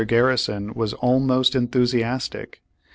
Garrison was almost enthusiastic.